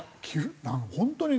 本当にね